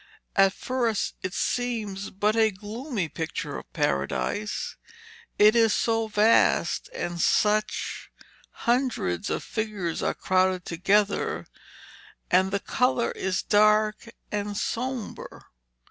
At first it seems but a gloomy picture of Paradise. It is so vast, and such hundreds of figures are crowded together, and the colour is dark and sombre.